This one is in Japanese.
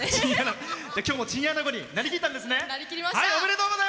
今日もチンアナゴになりきったんですね！